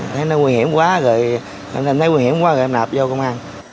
thấy nó nguy hiểm quá rồi nó nguy hiểm quá rồi em nạp vô công an